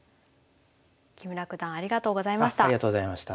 木村九段ありがとうございました。